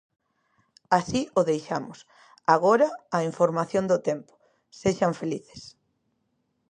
Así o deixamos, agora a información do tempo, sexan felices.